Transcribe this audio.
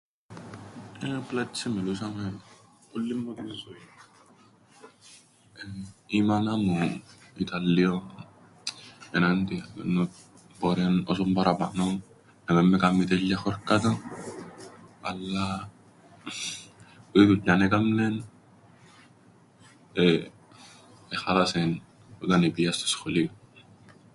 Ε, απλά έτσι εμιλούσαμεν ούλλην μου την ζωήν. Η μάνα μου ήταν λλίον ενάντια, εμπόρεν όσον παραπάνω να μεν με κάμνει τέλεια χώρκατον, αλλά ό,τι δουλειάν έκαμνεν, εχάλασεν όταν επήα στο σχολείον.